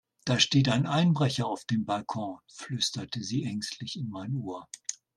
"Da steht ein Einbrecher auf dem Balkon", flüsterte sie ängstlich in mein Ohr.